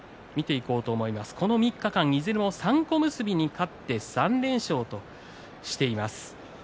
この３日間、いずれも三小結に勝って３連勝としています。